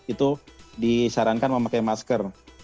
itu disarankan memakai masker